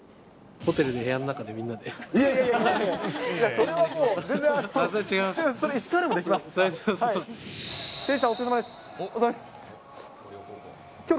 ホテルの部屋の中でみんなで遊んだこと。